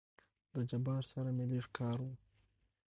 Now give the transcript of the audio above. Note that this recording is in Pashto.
د جبار سره مې لېږ کار وو.